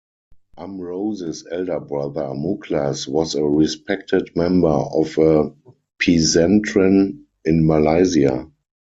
Amrozis' elder brother Muklas was a respected member of a "pesantren" in Malaysia.